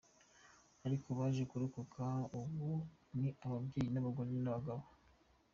Ariko baje kurokoka, ubu ni ababyeyi b’abagore n’abagabo.